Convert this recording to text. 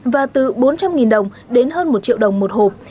và từ bốn trăm linh đồng đến hơn một triệu đồng một hộp